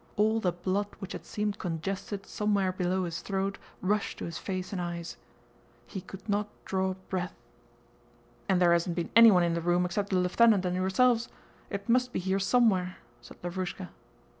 All the blood which had seemed congested somewhere below his throat rushed to his face and eyes. He could not draw breath. "And there hasn't been anyone in the room except the lieutenant and yourselves. It must be here somewhere," said Lavrúshka.